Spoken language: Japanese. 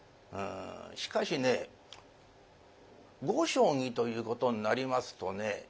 しかしね碁将棋ということになりますとね